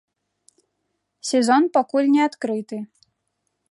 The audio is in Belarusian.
Сезон пакуль не адкрыты.